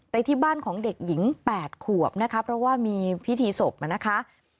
ที่บ้านของเด็กหญิง๘ขวบนะคะเพราะว่ามีพิธีศพมานะคะ